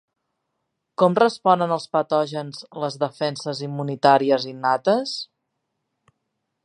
Com responen als patògens les defenses immunitàries innates?